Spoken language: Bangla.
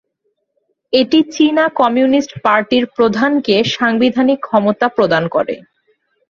এটি চীনা কমিউনিস্ট পার্টির প্রধানকে সাংবিধানিক ক্ষমতা প্রদান করে।